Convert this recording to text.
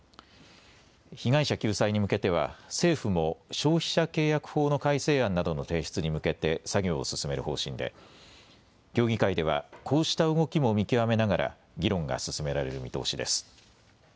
被害者救済に向けては政府も消費者契約法の改正案などの提出に向けて作業を進める方針で協議会ではこうした動きも見極めながら議論が進められる見通しです。